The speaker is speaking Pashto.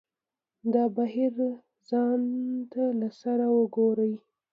دا بهیر ځان ته له سره وګوري.